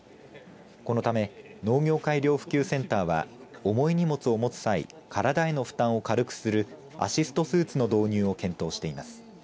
このため農業改良普及センターは重い荷物を持つ際体への負担を軽くするアシストスーツの導入を検討しています。